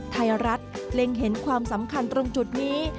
ไทยรัฐเล็งเห็นความสำคัญตรงจุดนี้